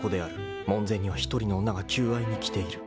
［門前には１人の女が求愛に来ている］